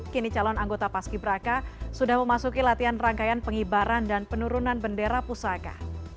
kini calon anggota paski braka sudah memasuki latihan rangkaian pengibaran dan penurunan bendera pusaka